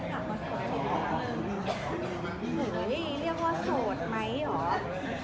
เห้ยเรียกว่าโสดไหมหรอ